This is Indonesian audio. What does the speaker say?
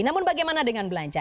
namun bagaimana dengan belanja